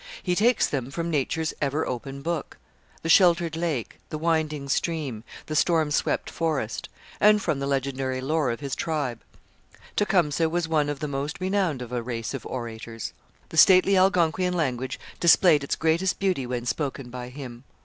He takes them from Nature's ever open book the sheltered lake, the winding stream, the storm swept forest and from the legendary lore of his tribe. Tecumseh was one of the most renowned of a race of orators. The stately Algonquian language displayed its greatest beauty when spoken by him.